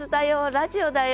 「ラヂオだよ」